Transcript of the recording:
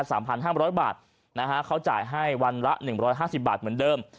สามพันห้ามร้อยบาทนะฮะเขาจ่ายให้วันละหนึ่งร้อยห้าสิบบาทเหมือนเดิม